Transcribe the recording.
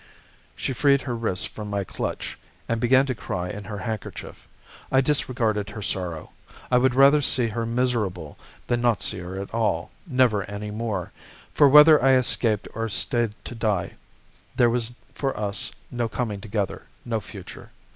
"She freed her wrists from my clutch and began to cry in her handkerchief. I disregarded her sorrow; I would rather see her miserable than not see her at all, never any more; for whether I escaped or stayed to die, there was for us no coming together, no future.